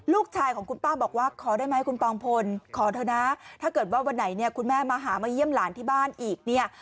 ลูกชายของคุณป้าบอกว่าขอได้ไหมคุณปองพลขอเถอะนะถ้าเกิดว่าวันไหนเนี่ยคุณแม่มาหามาเยี่ยมหลานที่บ้านอีกเนี่ย